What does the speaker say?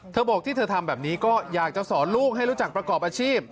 บอกที่เธอทำแบบนี้ก็อยากจะสอนลูกให้รู้จักประกอบอาชีพ